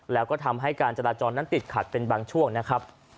แล้วก็ทำให้การจราจรนั้นติดขัดเป็นบางช่วงนะครับ